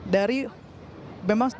dari memang dari tersebut